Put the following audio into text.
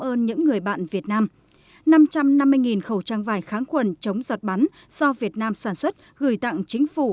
hơn những người bạn việt nam năm trăm năm mươi khẩu trang vải kháng khuẩn chống giọt bắn do việt nam sản xuất gửi tặng chính phủ